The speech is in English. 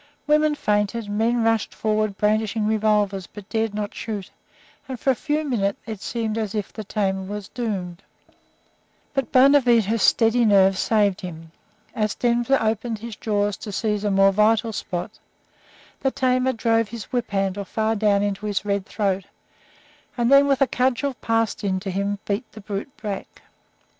Women fainted; men rushed forward brandishing revolvers, but dared not shoot; and for a few moments it seemed as if the tamer was doomed. But Bonavita's steady nerve saved him. As Denver opened his jaws to seize a more vital spot, the tamer drove his whip handle far down into his red throat, and then, with a cudgel passed in to him, beat the brute back.